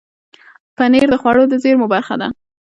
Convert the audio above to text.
پنېر د خوړو د زېرمو برخه ده.